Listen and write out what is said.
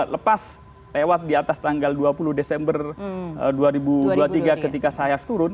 lepas lewat di atas tanggal dua puluh desember dua ribu dua puluh tiga ketika sayyaf turun